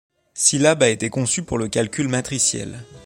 Scilab a été conçu pour le calcul matriciel.